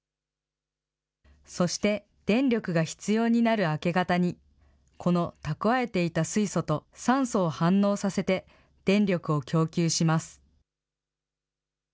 そして電力が必要になる明け方に、この蓄えていた水素と酸素を反応させて、電力を供給します。